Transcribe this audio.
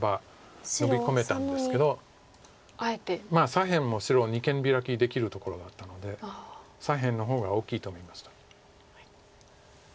左辺も白二間ビラキできるところだったので左辺の方が大きいと見ました。